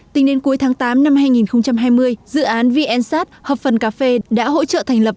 tính đến cuối tháng tám năm hai nghìn hai mươi dự án vnsat hợp phần cà phê đã hỗ trợ thành lập